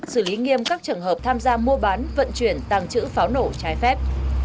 xử lý nghiêm các trường hợp tham gia mua bán vận chuyển tăng trữ pháo nổ trái phép